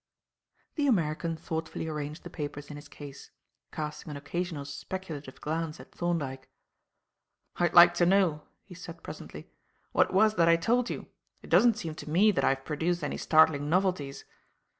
The American thoughtfully arranged the papers in his case, casting an occasional speculative glance at Thorndyke. "I'd like to know," he said presently, "what it was that I told you. It doesn't seem to me that I have produced any startling novelties.